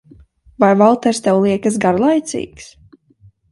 Vai Valters tev liekas garlaicīgs?